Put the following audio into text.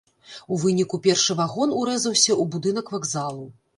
У выніку першы вагон урэзаўся ў будынак вакзалу.